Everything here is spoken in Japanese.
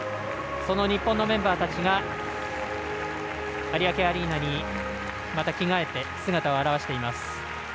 その日本のメンバーたちが有明アリーナにまた着替えて、姿を現しています。